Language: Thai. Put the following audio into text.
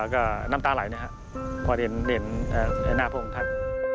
ก็น้ำตาหลายนะครับกว่าเด่นในหน้าพระองค์ท่าน